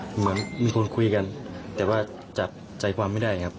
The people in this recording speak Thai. เหมือนมีคนคุยกันแต่ว่าจับใจความไม่ได้ครับ